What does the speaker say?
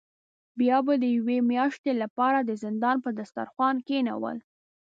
بیا به د یوې میاشتې له پاره د زندان په دسترخوان کینول.